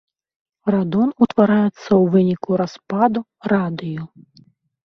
Радон утвараецца ў выніку распаду радыю.